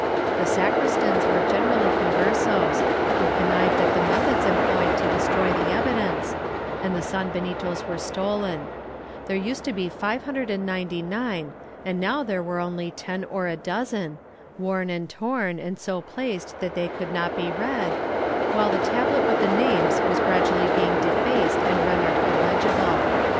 The sacristans were generally Conversos, who connived at the methods employed to destroy the evidence, and the sanbenitos were stolen; there used to be five hundred and ninety nine, and now there were only ten or a dozen, worn and torn and so placed that they could not be read, while the tablet with the names was gradually being defaced and rendered illegible.